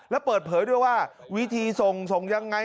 แล้วเปิดเผยด้วยว่าวิธีส่งส่งยังไง